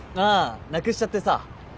あなくしちゃってさ。